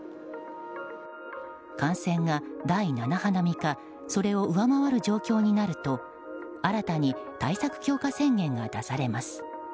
感染が第７波並みかそれを上回る状況になると新たに対策強化宣言が出されます。